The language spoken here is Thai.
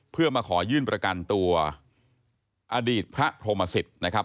เพื่อมาขอยื่นประกันตัวอดีตพระพรหมสิตนะครับ